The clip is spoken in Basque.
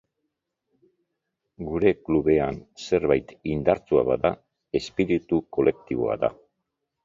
Gure klubean zerbait indartsua bada espiritu kolektiboa da.